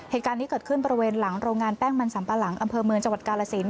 เหตุการณ์นี้เกิดขึ้นบริเวณหลังโรงงานแป้งมันสัมปะหลังอำเภอเมืองจังหวัดกาลสิน